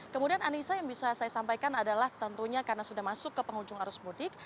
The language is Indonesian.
kemudian anissa yang bisa saya sampaikan adalah tentunya karena sudah masuk ke penghujung arus mudik